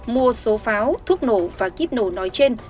mua số pháo thuốc nổ và kíp nổ nói trên